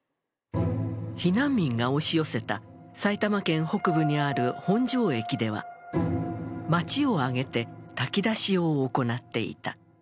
避難民が押し寄せた埼玉県北部にある本庄駅では、町を挙げて炊き出しを行っていた。